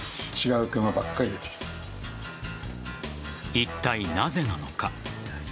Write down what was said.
いったい、なぜなのか。